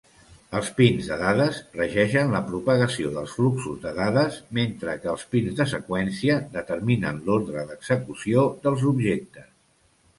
Els pins de dades regeixen la propagació dels fluxos de dades, mentre que els pins de seqüència determinen l'ordre d'execució dels objectes.